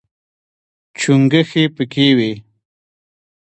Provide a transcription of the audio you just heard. چونګښې پکې وي.